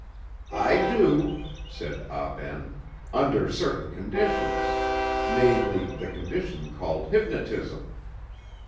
"I do," said Ah Ben, "under certain conditions; namely, the condition called hypnotism.